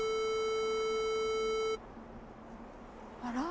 あら？